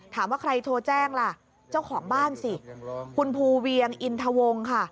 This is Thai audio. ถามว่าใครโทรแจ้งล่ะเจ้าของบ้านสิคุณภูเวียงอินทวงค่ะ